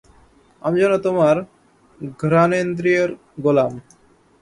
আমি যেন আমার ঘ্রাণেন্দ্রিয়ের গোলাম।